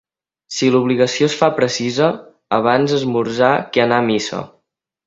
Si l'obligació es fa precisa, abans esmorzar que anar a missa.